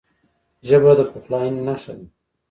ژبه د پخلاینې نښه ده